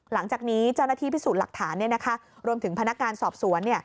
หลังจากนี้เจ้าหน้าที่พิสูจน์หลักฐานรวมถึงพนักงานสอบสวน